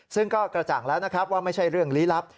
ซึ่งก็กระจ่างแล้วนะครับว่าไม่ใช่เรื่องลี้ลับ